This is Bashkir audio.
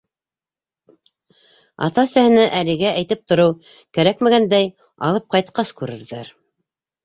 Ата-әсәһенә әлегә әйтеп тороу кәрәкмәгәндәй - алып ҡайтҡас күрерҙәр.